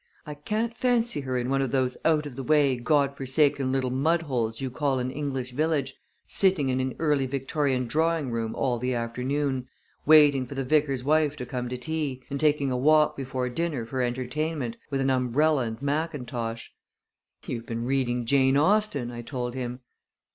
I can't fancy her in one of those out of the way, God forsaken little mudholes you call an English village, sitting in an early Victorian drawing room all the afternoon, waiting for the vicar's wife to come to tea, and taking a walk before dinner for entertainment, with an umbrella and mackintosh." "You've been reading Jane Austen," I told him.